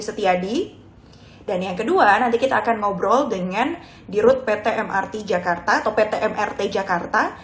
setiadi dan yang kedua nanti kita akan ngobrol dengan dirut pt mrt jakarta atau pt mrt jakarta